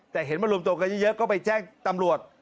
แต่เห็นมารวมตัวกันเยอะก็ไปแจ้งตำรวจ